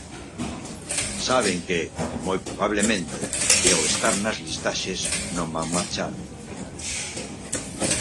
"Saben que, moi probablemente, e ao estar nas listaxes, non van marchar", finaliza.